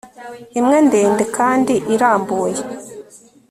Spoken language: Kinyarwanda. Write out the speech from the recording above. imwe ndende kandi irambuye